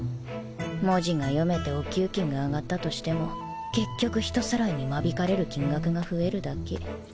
文字が読めてお給金が上がったとしても結局人さらいに間引かれる金額が増えるだけ